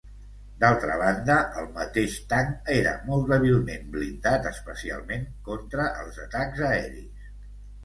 D'altra banda el mateix tanc era molt dèbilment blindat, especialment contra els atacs aeris.